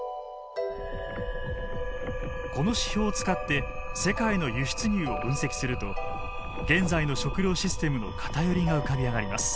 この指標を使って世界の輸出入を分析すると現在の食料システムの偏りが浮かび上がります。